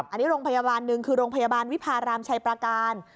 อันนี้โรงพยาบาลหนึ่งคือโรงพยาบาลวิพารามชัยประการ